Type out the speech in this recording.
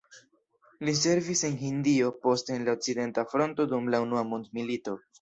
Li servis en Hindio, poste en la okcidenta fronto dum la unua mondmilito.